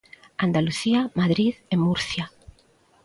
Andalucía, Madrid e Murcia.